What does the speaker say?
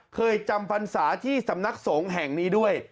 เคยจำพรรษาที่สำนักสงฆ์แห่งนี้ด้วย